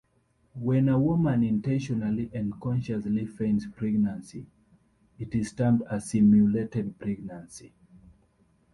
When a woman intentionally and consciously feigns pregnancy, it is termed a simulated pregnancy.